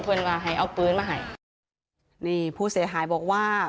ว่าให้เอาปืนมาให้นี่ผู้เสียหายบอกว่า